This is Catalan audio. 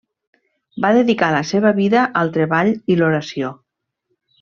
Va dedicar la seva vida al treball i l'oració.